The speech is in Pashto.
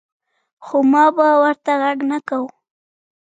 خو ما به ورته غږ نۀ کوۀ ـ